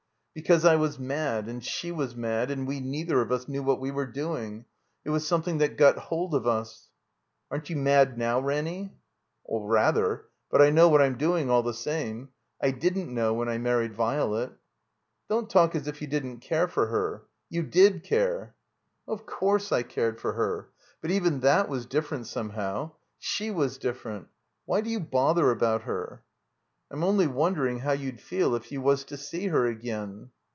"Because I was mad and she was mad, and we neither of us knew what we were doing. It was something that got hold of us." "Aren't you mad now, Ranny?" "Rather! But I know what I'm doing all the same. I didn't know when I married Violet." Don't talk as if you didn't care for her. You did care." "Of course I cared for her. But even that was different somehow. She was diflFerent. Why do you bother about her?" "I'm only wondering how you'd feel if you was to see her again."